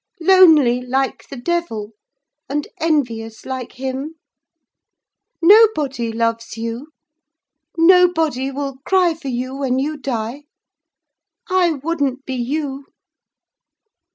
Lonely, like the devil, and envious like him? Nobody loves you—nobody will cry for you when you die! I wouldn't be you!"